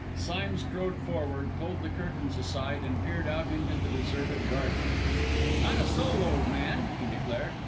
Sime strode forward, pulled the curtains aside, and peered out into the deserted garden. "Not a soul, old man," he declared.